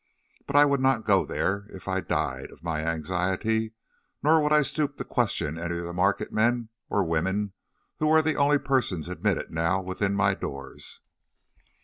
But I would not go there if I died of my anxiety, nor would I stoop to question any of the market men or women, who were the only persons admitted now within my doors.